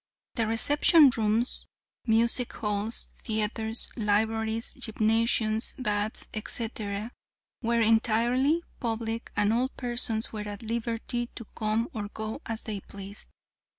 The reception rooms, music halls, theatres, libraries, gymnasiums, baths, etc., were entirely public and all persons were at liberty to come or go as they pleased.